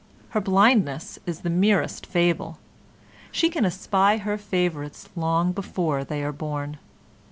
Her blindness is the merest fable; she can espy her favourites long before they are born.